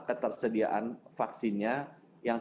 ketersediaan vaksinnya yang